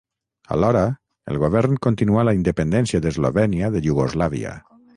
Alhora, el govern continuà la independència d'Eslovènia de Iugoslàvia.